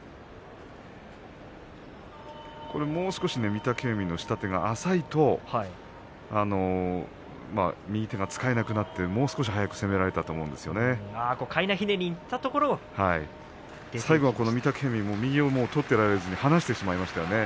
これ、もう少し御嶽海の下手が浅いと右手が使えなくなってもう少し早く攻められたとかいなひねりに最後、御嶽海は右を取っていられずに離してしまいましたね。